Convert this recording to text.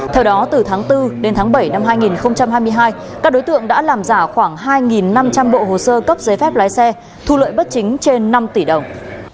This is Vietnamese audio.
theo đó từ tháng bốn đến tháng bảy năm hai nghìn hai mươi hai các đối tượng đã làm giả khoảng hai năm trăm linh bộ hồ sơ cấp giấy phép lái xe thu lợi bất chính trên năm tỷ đồng